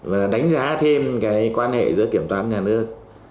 và đánh giá thêm cái quan hệ giữa kiểm toán nhà nước